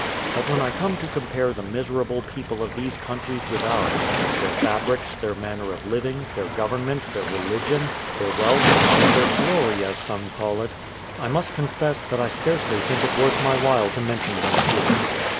But when I come to compare the miserable people of these countries with ours, their fabrics, their manner of living, their government, their religion, their wealth, and their glory, as some call it, I must confess that I scarcely think it worth my while to mention them here.